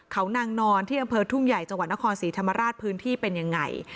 เขานางนอนที่อำเภอทุ่งใหญ่จังหวัดนครศรีธรรมราชพื้นที่เป็นยังไง